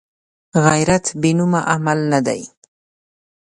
غیرت بېنومه عمل نه دی